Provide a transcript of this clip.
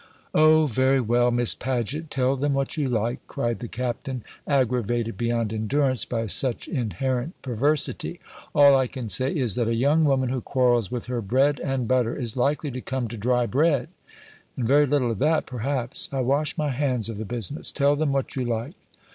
"O, very well, Miss Paget; tell them what you like!" cried the Captain, aggravated beyond endurance by such inherent perversity. "All I can say is, that a young woman who quarrels with her bread and butter is likely to come to dry bread; and very little of that, perhaps. I wash my hands of the business. Tell them what you like."